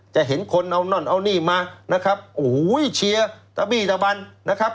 จะเห็นคนเอานั่นเอานี่มานะครับโอ้โหเชียร์ตะบี้ตะบันนะครับ